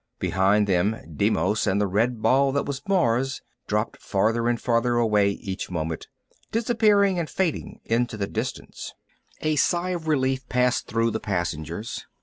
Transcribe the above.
Behind them Deimos and the red ball that was Mars dropped farther and farther away each moment, disappearing and fading into the distance. A sigh of relief passed through the passengers.